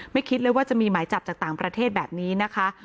คิดเลยว่าจะมีหมายจับจากต่างประเทศแบบนี้นะคะ